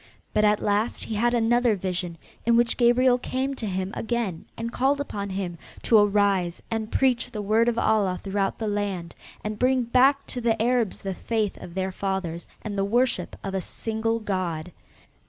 But at last he had another vision in which Gabriel came to him again and called upon him to arise and preach the word of Allah throughout the land and bring back to the Arabs the faith of their fathers and the worship of a single god.